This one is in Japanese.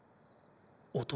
男？